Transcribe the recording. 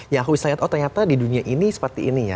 ya aku bisa lihat oh ternyata di dunia ini seperti ini ya